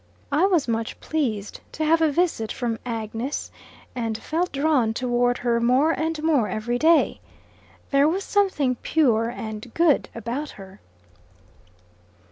I was much pleased to have a visit from Agnes, and felt drawn toward her more and more every day. There was something pure and good about her.